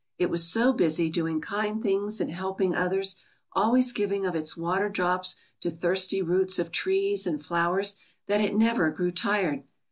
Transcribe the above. It was so busy doing kind things and helping others, always giving of its water drops to thirsty roots of trees and flowers, that it never grew tired.